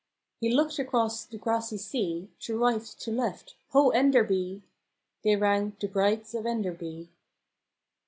He looked across the grassy sea, To right, to left, " Ho Enderby !" They rang " The Brides of Enderby